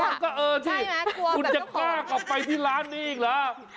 ใช่ไหมกลัวแต่เจ้าของคุณจะกล้ากลับไปที่ร้านนี้อีกหรือ